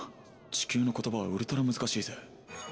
地球の言葉はウルトラ難しいぜ。